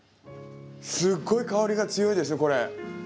すっごい香りが強いですねこれ。